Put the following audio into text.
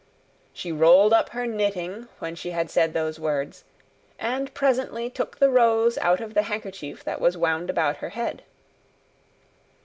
She rolled up her knitting when she had said those words, and presently took the rose out of the handkerchief that was wound about her head.